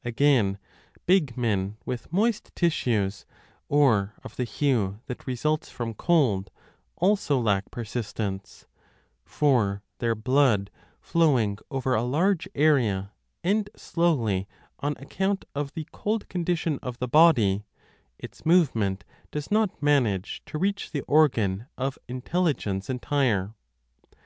3 Again, big men with moist tissues or of the hue that results from cold, also lack persistence ; for their blood flowing over a large area, and slowly, on account of the cold condition of the body, its movement does not manage 20 to reach the organ of intelligence entire.